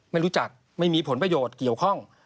ไม่รู้จักไม่มีผลประโยชน์เกี่ยวข้อง